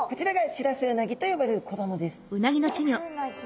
シラスウナギ。